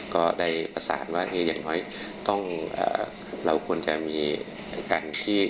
ก็ได้ประสานว่าอย่างน้อยต้องเราควรจะมีการที่